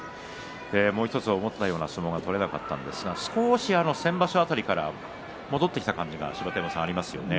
もうひとつ思ったような相撲が取れなかったんですが先場所辺りから少し戻ってきた感じがありますよね。